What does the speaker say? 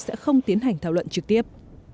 sẽ không tiến hành thảo luận trực tiếp